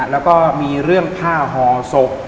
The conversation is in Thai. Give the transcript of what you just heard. แล้วก็มีเรื่องผ้าห่อศพ